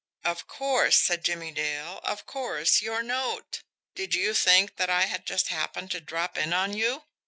"Of course," said Jimmie Dale. "Of course your note. Did you think that I had just happened to drop in on you?